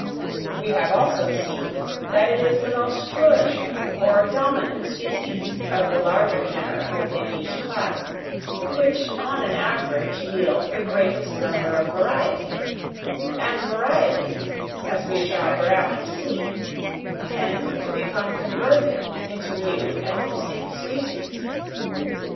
We have also seen that it is the most flourishing or dominant species of the larger genera within each class which on an average yield the greatest number of varieties, and varieties, as we shall hereafter see, tend to become converted into new and distinct species.